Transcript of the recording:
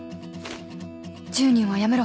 「１０人はやめろ。